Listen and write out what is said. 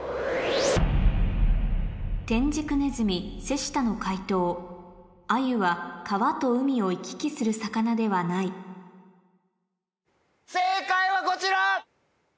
天竺鼠・瀬下の解答アユは川と海を行き来する魚ではない正解はこちら！